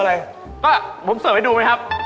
อะไรก็ผมเสิร์ฟให้ดูไหมครับ